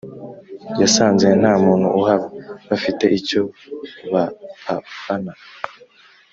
yasanze ntamuntu uhaba bafite icyo bapafana